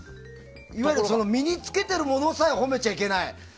いわゆる身に着けてるものさえ褒めちゃいけない。